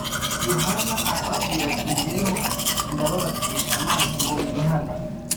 Yohana arababwira ati ‘‘Jyeweho ndababatirisha amazi ngo mwihane